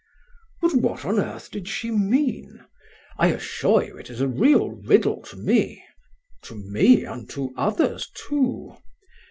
"But what on earth did she mean? I assure you it is a real riddle to me—to me, and to others, too!"